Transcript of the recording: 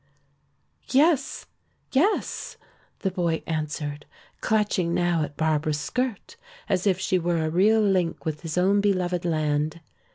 "Yes, yes," the boy answered, clutching now at Barbara's skirt as if she were a real link with his own beloved land.